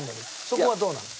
そこはどうなの？